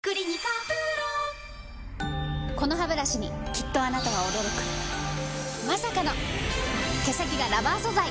このハブラシにきっとあなたは驚くまさかの毛先がラバー素材！